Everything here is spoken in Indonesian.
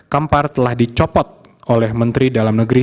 kampar telah dicopot oleh menteri dalam negeri